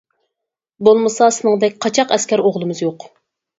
بولمىسا سېنىڭدەك قاچاق ئەسكەر ئوغلىمىز يوق!